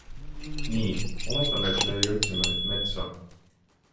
Nii, oletame, et me jõudsime nüüd metsa.